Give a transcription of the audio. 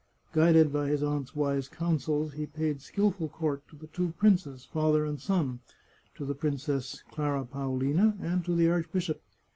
Guided by his aunt's wise coun sels, he paid skilful court to the two princes, father and son, to the Princess Clara Paolina, and to the archbishop.